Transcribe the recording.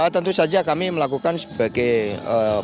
tentu saja kami melakukan sebagai upaya